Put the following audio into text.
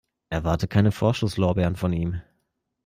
Erwarte keine Vorschusslorbeeren von ihm.